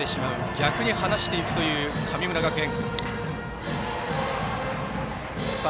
逆に離していくという神村学園。